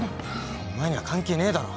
お前には関係ねえだろ。